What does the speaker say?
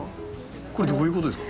これどういうことですか？